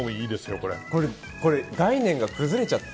これ、概念が崩れちゃって。